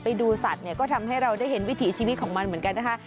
ไปดูสัตว์เนี่ยก็ทำให้เราได้เห็นวิถีชีวิตของมันเหมือนกันนะคะ